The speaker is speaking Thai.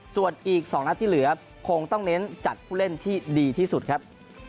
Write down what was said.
ส่วนอีก๒นัดที่เหลือคงต้องเน้นจัดผู้เล่นที่ดีที่สุดครับ